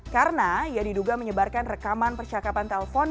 karena ya diduga menyebarkan rekaman percakapan telpon